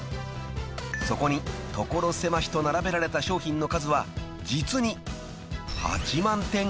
［そこに所狭しと並べられた商品の数は実に］